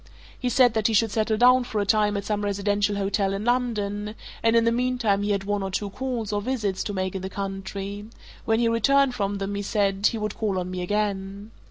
He said that he should settle down for a time at some residential hotel in London, and in the meantime he had one or two calls, or visits, to make in the country: when he returned from them, he said, he would call on me again.